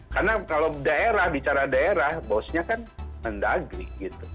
karena kalau bicara daerah bosnya kan mendagri